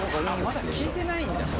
まだ聞いてないんだ。